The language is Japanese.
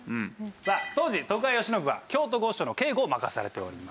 さあ当時徳川慶喜は京都御所の警護を任されておりました。